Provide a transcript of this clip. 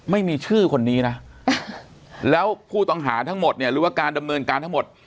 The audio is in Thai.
ไม่มีชื่อคนนี้นะแล้วผู้ต้องหาทั้งหมดเนี่ยหรือว่าการดำเนินการทั้งหมด